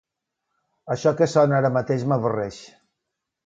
Això que sona ara mateix m'avorreix.